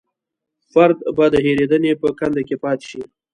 فرد به د هېرېدنې په کنده کې پاتې شي.